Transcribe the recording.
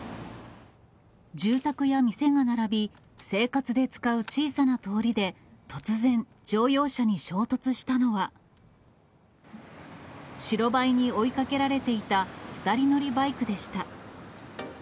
住宅や店が並び、生活で使う小さな通りで突然、乗用車に衝突したのは、白バイに追いかけられていた２人乗りバイクでした。